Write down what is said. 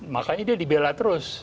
makanya dia dibela terus